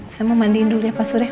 saya mau mandiin dulu ya pak surya